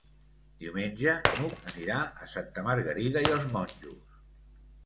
Diumenge n'Hug anirà a Santa Margarida i els Monjos.